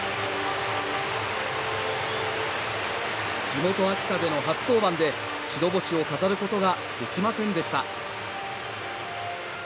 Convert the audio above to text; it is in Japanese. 地元・秋田での初登板で白星を飾ることはできませんでした。